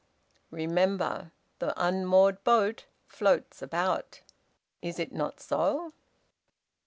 Remember 'the unmoored boat floats about.' Is it not so?"